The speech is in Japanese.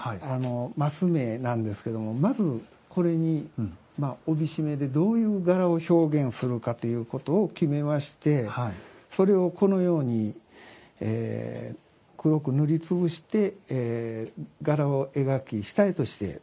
マス目なんですけどもまずこれに帯締めでどういう柄を表現するかということを決めましてそれをこのように黒く塗り潰して柄を描き下絵としてこしらえます。